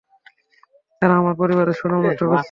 তারা আমার পরিবারের সুনাম নষ্ট করেছে।